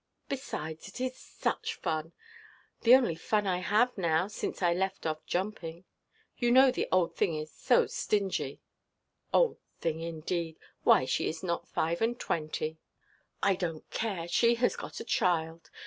Besides, it is such fun; the only fun I have now, since I left off jumping. You know the old thing is so stingy." "Old thing, indeed! Why, she is not five–and–twenty!" "I donʼt care; she has got a child.